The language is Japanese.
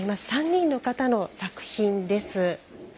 ３人の方の作品です。